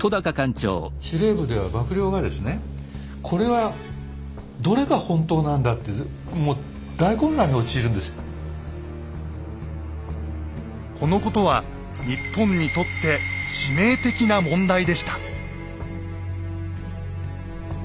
司令部では幕僚がですねこれはこのことは日本にとって致命的な問題でした。